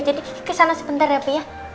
jadi ke sana sebentar ya bu